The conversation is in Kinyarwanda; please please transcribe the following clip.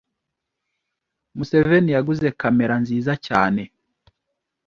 Museveni yaguze kamera nziza cyane.